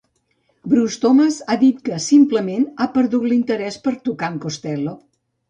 Bruce Thomas ha dit que simplement ha perdut l'interès per tocar amb Costello.